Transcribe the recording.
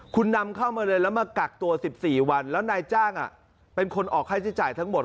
คุณนำเข้ามาเลยแล้วมากักตัว๑๔วันแล้วนายจ้างเป็นคนออกค่าใช้จ่ายทั้งหมด